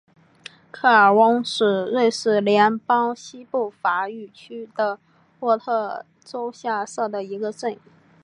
科尔翁是瑞士联邦西部法语区的沃州下设的一个镇。